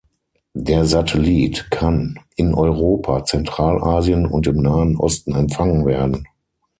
Der Satellit kann in Europa, Zentralasien und im Nahen Osten empfangen werden.